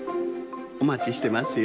おまちしてますよ。